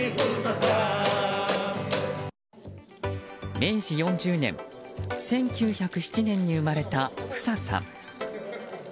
明治４０年１９０７年に生まれたフサさん。